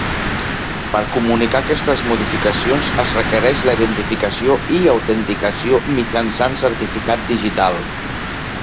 Per comunicar aquestes modificacions es requereix la identificació i autenticació mitjançant certificat digital.